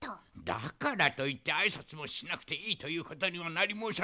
だからといってあいさつもしなくていいということにはなりもうさぬ。